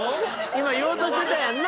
今言おうとしてたやんな？